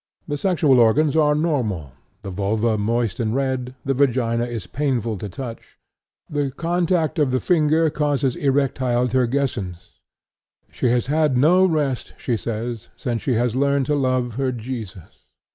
The sexual organs are normal, the vulva moist and red, the vagina is painful to touch; the contact of the finger causes erectile turgescence. She has had no rest, she says, since she has learned to love her Jesus.